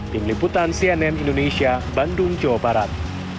tim liputan cnn indonesia bandung jawa barat